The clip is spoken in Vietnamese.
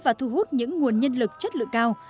và thu hút những nguồn nhân lực chất lượng cao